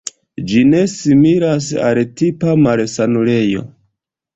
Ĝi ne similas al tipa malsanulejo.